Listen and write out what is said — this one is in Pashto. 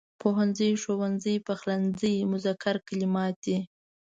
پوهنځی، ښوونځی، پخلنځی مذکر کلمات دي.